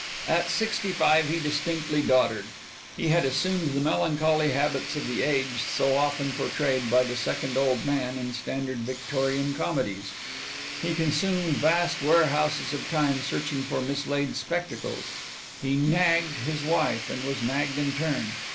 At sixty five he distinctly doddered. He had assumed the melancholy habits of the aged so often portrayed by the second old man in standard Victorian comedies. He consumed vast warehouses of time searching for mislaid spectacles. He "nagged" his wife and was nagged in turn.